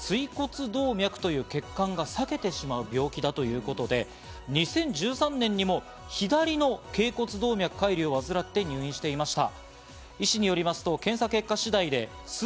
椎骨動脈という血管が裂けてしまう病気だということで、２０１３年にも左の椎骨動脈解離を患って入院していました。